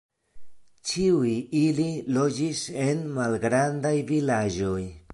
Ĉiuj ili loĝis en malgrandaj vilaĝoj.